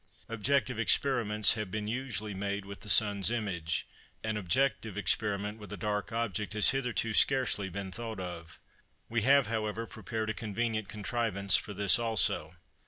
Objective experiments have been usually made with the sun's image: an objective experiment with a dark object has hitherto scarcely been thought of. We have, however, prepared a convenient contrivance for this also.